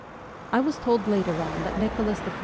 I was told later on that Nicholas I.